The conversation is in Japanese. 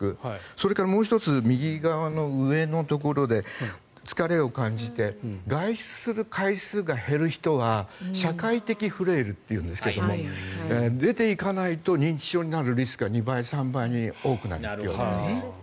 それからもう１つ右側の上のところで疲れを感じて外出する回数が減る人は社会的フレイルというんですが出ていかないと認知症になるリスクが２倍、３倍に多くなります。